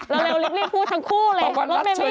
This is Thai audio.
เรารีบพูดทั้งคู่เลยรถแมงไม่รู